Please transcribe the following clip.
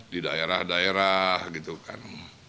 di daerah daerah gitu kan